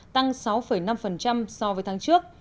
tăng sáu năm so với tháng trước